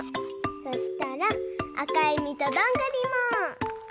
そしたらあかいみとどんぐりも。